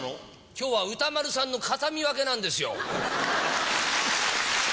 今日は歌丸さんの形見分けなんですよ。